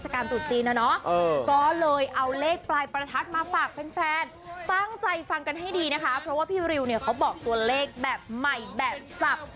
การตรุษจีนนะเนาะก็เลยเอาเลขปลายประทัดมาฝากแฟนตั้งใจฟังกันให้ดีนะคะเพราะว่าพี่ริวเนี่ยเขาบอกตัวเลขแบบใหม่แบบสับ